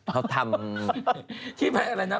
เขาทำอะไรนะ